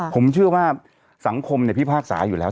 ผมเชื่อว่าสังคมพิพากษาอยู่แล้ว